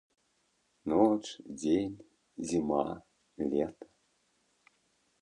Ноч, дзень, зіма, лета.